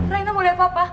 raih mau lihat papa